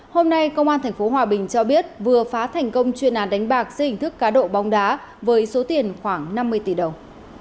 hôm nay công an tp hòa bình cho biết vừa phá thành công chuyên án đánh bạc dây hình thức cá độ bóng đá với số tiền khoảng năm mươi tỷ đồng